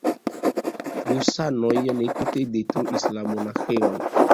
Husanoj ne tute detruis la monaĥejon.